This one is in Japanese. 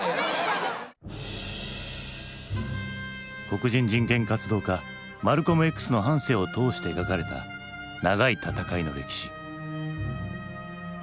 黒人人権活動家マルコムＸの半生を通して描かれた長い戦いの歴史。